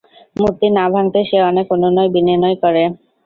মূর্তি না ভাঙ্গতে সে অনেক অনুনয়-বিনয় করে।